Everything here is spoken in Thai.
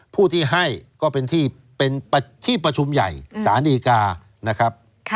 ผู้ที่ให้ก็เป็นที่ประชุมใหญ่สานีกานะครับ